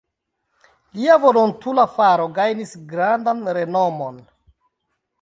Lia volontula faro gajnis grandan renomon.